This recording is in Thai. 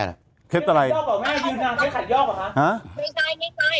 ไม่ใช่ไม่ใช่